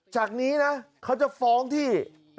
จากนี้นะเขาจะฟ้องที่